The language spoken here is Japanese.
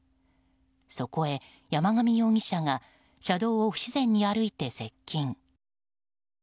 そこへ山上容疑者が車道を不自然に歩いて接近。